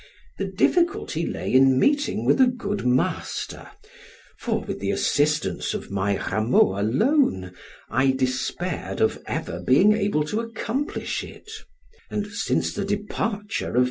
The difficulty lay in meeting with a good master, for, with the assistance of my Rameau alone, I despaired of ever being able to accomplish it; and, since the departure of M.